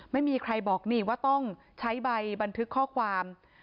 ไม่มีใครบอกนี่ว่าต้องใช้ใบบันทึกข้อความ